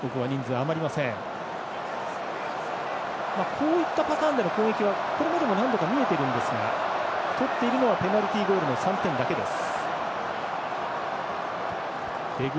こういったパターンでの攻撃はこれまでも何度か見えているんですが取っているのはペナルティゴールの３点だけです。